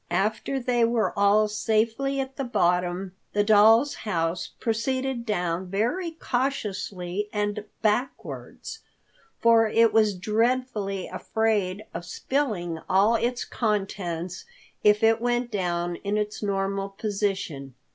After they were all safely at the bottom, the doll's house proceeded down very cautiously and backwards. For it was dreadfully afraid of spilling all its contents if it went down in its normal position.